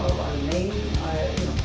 dan ini adalah